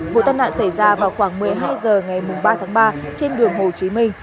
vụ tai nạn xảy ra vào khoảng một mươi hai h ngày ba tháng ba trên đường hồ chí minh